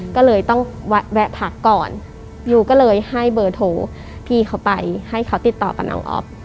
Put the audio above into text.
ก็เลยต้องแวะพักก่อนยูก็เลยให้เบอร์โทรพี่เขาไปให้เขาติดต่อกับน้องอ๊อฟ